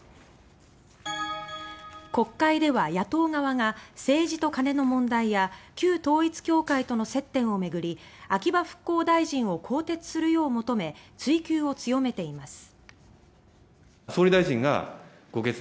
国会では野党側が政治と金の問題や旧統一教会との接点を巡り秋葉復興大臣を更迭するよう求め追及を強めています。